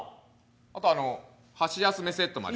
あとはあの箸休めセットもあります。